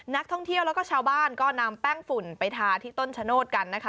นักท่องเที่ยวแล้วก็ชาวบ้านก็นำแป้งฝุ่นไปทาที่ต้นชะโนธกันนะคะ